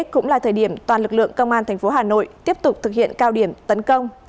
khiến ca nhiễm có triệu chứng nghiêm trọng